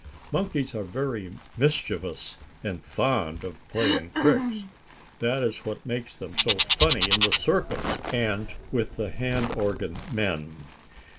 Monkeys are very mischievous and fond of playing tricks. That is what makes them so funny in the circus, and with the hand organ men.